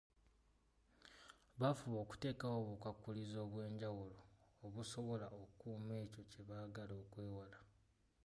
Bafuba okuteekawo obukwakkulizo obw’enjawulo obusobola okukuuma ekyo kye baagala okwewala.